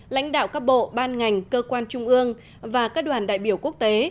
lãnh đạo các bộ ban ngành cơ quan trung ương và các đoàn đại biểu quốc tế